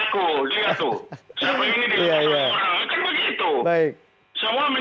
kurangnya dia yang sabi ini nabrak aku